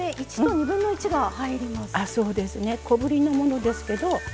小ぶりのものですけど